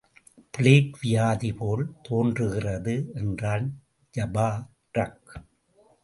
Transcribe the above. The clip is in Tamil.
பிளேக் வியாதி போல் தோன்றுகிறது என்றான் ஜபாரக்.